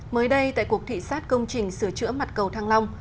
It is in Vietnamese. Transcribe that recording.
mới đây tại cuộc thị sát công trình sửa chữa mặt cầu thăng long